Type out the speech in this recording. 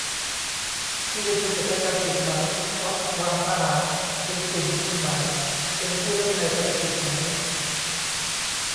ที่ดินเป็นปัจจัยการผลิตไหม ? วัด วัง ทหาร เป็นกลุ่มทุนไหม เป็นผู้เล่นในเศรษฐกิจไหม